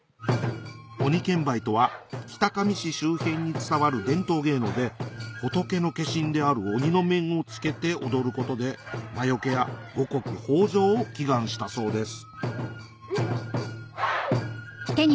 鬼剣舞とは北上市周辺に伝わる伝統芸能で仏の化身である鬼の面を着けて踊ることで魔よけや五穀豊穣を祈願したそうです